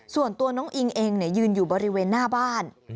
ส่วนตัวน้องอิงเองยืนอยู่บริเวณหน้าบ้าน